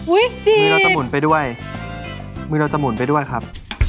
จริงมือเราจะหมุนไปด้วยมือเราจะหมุนไปด้วยครับ